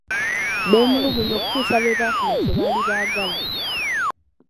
Beemulugunya okutuusa lwe baafuna kye baali baagala.